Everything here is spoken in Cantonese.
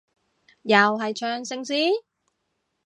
又係唱聖詩？